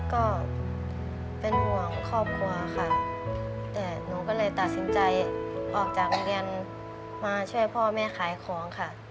ก็เป็นห่วงครอบครัวค่ะแต่หนูก็เลยตัดสินใจออกจากโรงเรียนมาช่วยพ่อแม่ขายของค่ะ